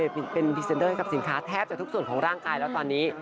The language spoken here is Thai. เป็นพรีเซนเดอร์ให้กับสินค้าแทบจะทุกส่วนของร่างกายแล้วตอนนี้